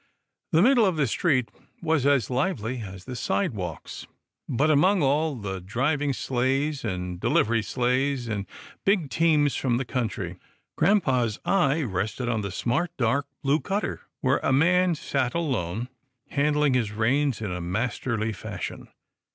The middle of the street was as lively as the sidewalks, but among all the driving sleighs, and delivery sleighs, and big teams from the country, grampa's eye rested on the smart, dark blue cutter, where a man sat alone, handling his reins in a masterly fashion.